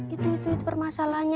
ini kalau aa